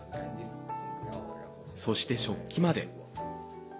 そして、食器まで。